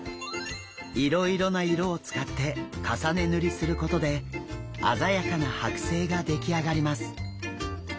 いろいろな色を使って重ね塗りすることで鮮やかなはく製が出来上がります。